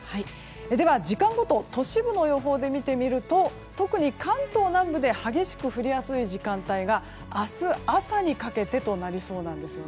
では、時間ごと都市部の予報で見てみると、特に関東南部で激しく降りやすい時間帯が明日朝にかけてとなりそうです。